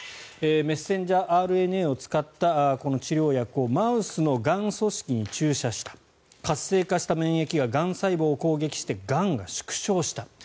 メッセンジャーＲＮＡを使った治療薬をマウスのがん組織に注射した活性化した免疫ががん細胞を攻撃してがんが縮小した。